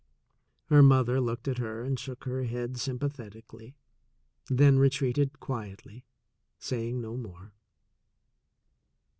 Her mother looked at her and shook her head sym pathetically, then retreated quietly, saying no more.